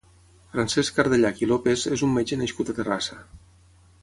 Francesc Cardellach i López és un metge nascut a Terrassa.